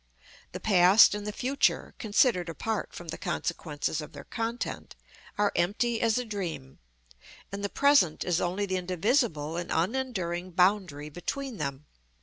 The past and the future (considered apart from the consequences of their content) are empty as a dream, and the present is only the indivisible and unenduring boundary between them.